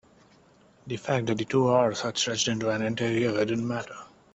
the fact that the two hours had stretched into an entire year didn't matter.